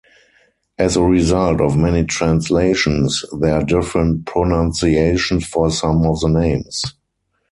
As a result of many translations, there are different pronunciations for some of the names.